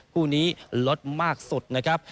คู่นี้ลดมากสุดนะครับ